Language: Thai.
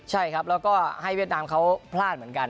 ใช่ครับแล้วก็ให้เวียดนามเขาพลาดเหมือนกัน